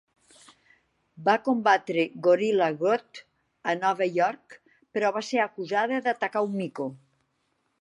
Va combatre Gorilla Grodd a Nova York, però va ser acusada d'atacar un "mico".